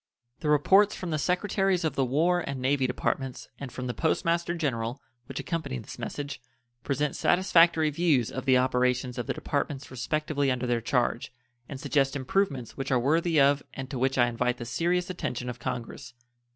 The reports from the Secretaries of the War and Navy Departments and from the Post Master General, which accompany this message, present satisfactory views of the operations of the Departments respectively under their charge, and suggest improvements which are worthy of and to which I invite the serious attention of Congress.